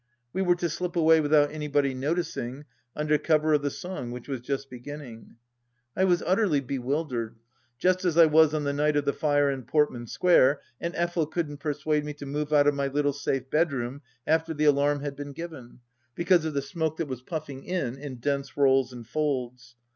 We were to slip away without anybody noticing, under cover of the song which was just beginning. I was utterly bewildered, just as I was on the night of the fire in Portman Square and Effel couldn't persuade me to move out of my little safe bedroom after the alarm had been given because of the smoke that was puffing in, in dense rolls and folds.